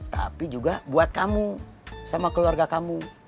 tapi juga buat kamu sama keluarga kamu